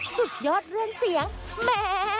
สุดยอดเรื่องเสียงแม่หล่อยหน้าหล่อยตาร่างเป็นชาย